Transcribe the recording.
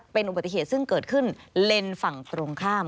เป็นอุบัติเหตุซึ่งเกิดขึ้นเลนส์ฝั่งตรงข้าม